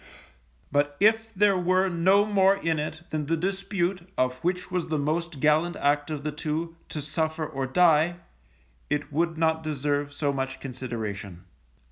But if there were no more in it than the dispute of which was the most gallant act of the two, to suffer, or die, it would not deserve so much consideration.